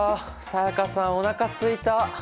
才加さんおなかすいた！